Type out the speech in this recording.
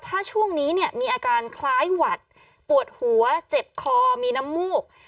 ถ้าช่วงนี้เนี่ยมีอาการคล้ายหวัดปวดหัวเจ็บคอมีน้ำมูก